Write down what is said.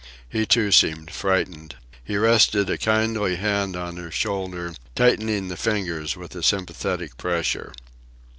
He, too, seemed frightened. He rested a kindly hand on her shoulder, tightening the fingers with a sympathetic pressure.